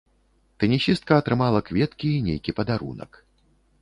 Тэнісістка атрымала кветкі і нейкі падарунак.